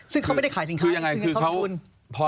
ซึ่งเขาไม่ได้ขายสินค้าซึ่งเขาต้องทุนคือยังไงคือเขา